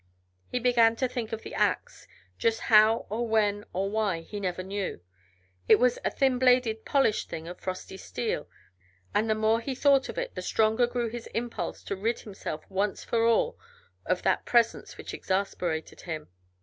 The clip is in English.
He began to think of the ax just how or when or why he never knew. It was a thin bladed, polished thing of frosty steel, and the more he thought of it the stronger grew his impulse to rid himself once for all of that presence which exasperated him.